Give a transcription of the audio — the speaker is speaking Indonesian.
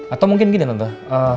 atau mungkin gini tante